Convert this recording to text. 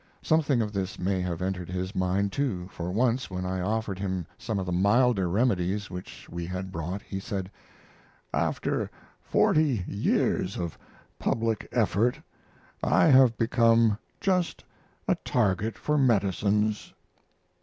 Something of this may have entered his mind, too, for once, when I offered him some of the milder remedies which we had brought, he said: "After forty years of public effort I have become just a target for medicines."